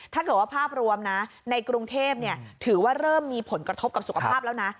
ถ้าเกิดว่าภาพรวมนะในกรุงเทพถือว่าเริ่มมีผลกระทบกับสุขภาพแล้วนะ